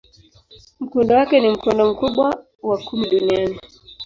Mkondo wake ni mkondo mkubwa wa kumi duniani.